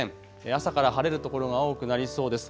朝から晴れる所が多くなりそうです。